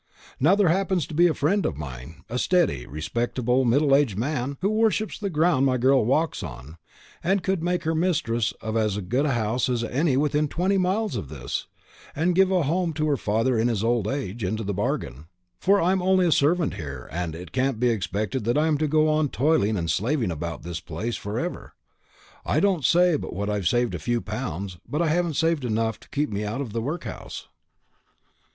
Now there happens to be a friend of mine a steady, respectable, middle aged man who worships the ground my girl walks on, and could make her mistress of as good a house as any within twenty miles of this, and give a home to her father in his old age, into the bargain; for I'm only a servant here, and it can't be expected that I am to go on toiling and slaving about this place for ever. I don't say but what I've saved a few pounds, but I haven't saved enough to keep me out of the workhouse."